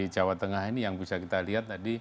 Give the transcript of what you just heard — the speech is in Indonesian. jawa tengah ini yang bisa kita lihat tadi